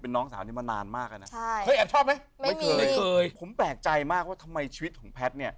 ผมแปลกใจมากว่าทำไมชีวิตของแพทย์เนี่ย